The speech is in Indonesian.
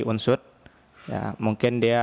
unsur ya mungkin dia